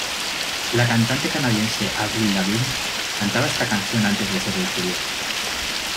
La cantante canadiense Avril Lavigne cantaba esta canción antes de ser descubierta.